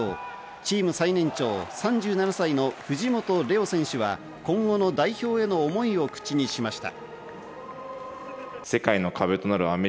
チーム最年長、３７歳の藤本怜央選手は今後の代表への思いを口にしました。